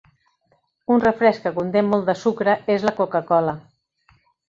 Un refresc que conté molt de sucre és la Coca-Cola.